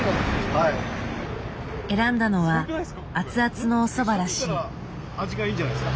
選んだのは熱々のおそばらしい。